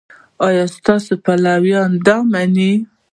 ایا ستاسو پایلې د منلو دي؟